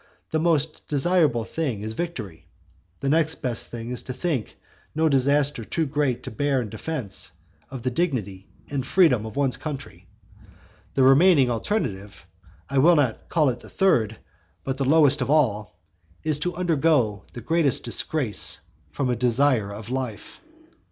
The most desirable thing is victory; the next best thing is to think no disaster too great to bear in defence of the dignity and freedom of one's country. The remaining alternative, I will not call it the third, but the lowest of all, is to undergo the greatest disgrace from a desire of life.